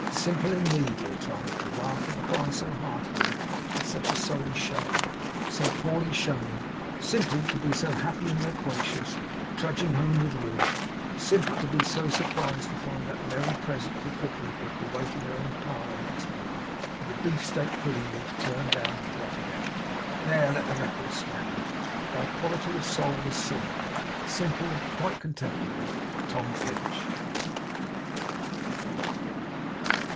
Simple in thee, dear Tom, to laugh and cry so heartily at such a sorry show, so poorly shown; simple to be so happy and loquacious trudging home with Ruth; simple to be so surprised to find that merry present of a cookery book awaiting her in the parlour next morning, with the beef steak pudding leaf turned down and blotted out. There! Let the record stand! Thy quality of soul was simple, simple, quite contemptible, Tom Pinch!